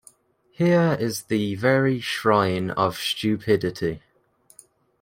Here is the very shrine of stupidity...